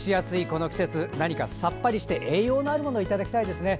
この季節何かさっぱりして栄養のあるものをいただきたいですね。